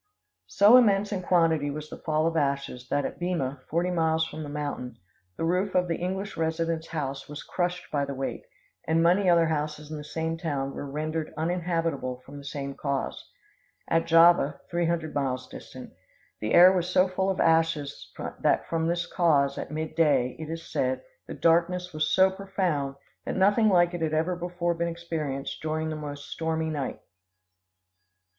"So immense in quantity was the fall of ashes, that at Bima, forty miles from the mountain, the roof of the English resident's house was crushed by the weight, and many other houses in the same town were rendered uninhabitable from the same cause. At Java, three hundred miles distant, the air was so full of ashes that from this cause, at mid day, it is said, the darkness was so profound that nothing like it had ever before been experienced during the most stormy night.